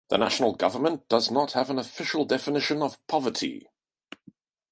The national government does not have an official definition of poverty.